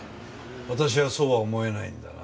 私はそうは思えないんだな。